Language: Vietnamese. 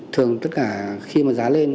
thường tất cả khi mà giá lên